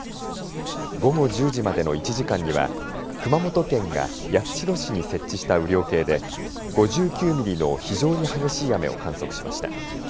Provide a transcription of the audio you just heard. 午後１０時までの１時間には熊本県が八代市に設置した雨量計で５９ミリの非常に激しい雨を観測しました。